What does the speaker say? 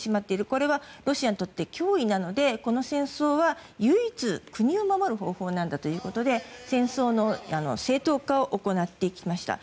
これはロシアにとって脅威なのでこの戦争は唯一、国を守る方法なんだということで戦争の正当化を行ってきました。